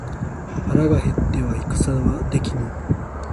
腹が減っては戦はできぬ